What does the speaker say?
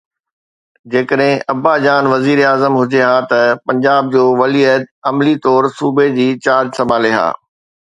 جيڪڏهن ابا جان وزير اعظم هجي ها ته پنجاب جو ولي عهد عملي طور صوبي جي چارج سنڀالي ها.